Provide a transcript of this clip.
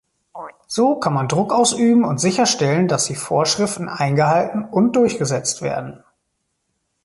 So kann man Druck ausüben und sicherstellen, dass die Vorschriften eingehalten und durchgesetzt werden.